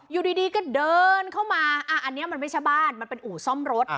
อยู่ดีก็เดินเข้ามาอันนี้มันไม่ใช่บ้านมันเป็นอู่ซ่อมรถ